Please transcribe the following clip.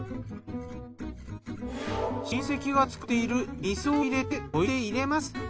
親戚が造っている味噌を入れて溶いて入れます。